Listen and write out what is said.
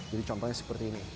jadi contohnya seperti ini